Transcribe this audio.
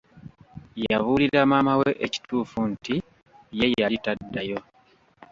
Yabuulira maama we ekituufu nti ye yali taddayo.